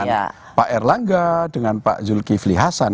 dengan pak erlangga dengan pak yulki flihasan